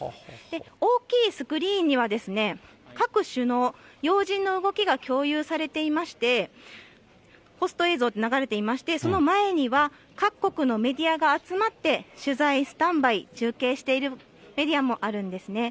大きいスクリーンには、各首脳、要人の動きが共有されていまして、ホスト映像が流れていまして、その前には、各国のメディアが集まって取材スタンバイ、中継しているメディアもあるんですね。